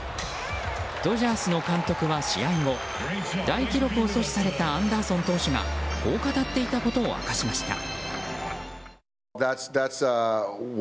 ドジャースの監督は試合後大記録を阻止されたアンダーソン投手がこう語っていたことを明かしました。